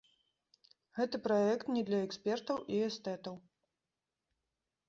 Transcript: Гэты праект не для экспертаў і эстэтаў.